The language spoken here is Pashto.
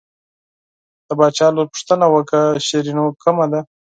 د باچا لور پوښتنه وکړه شیرینو کومه ده.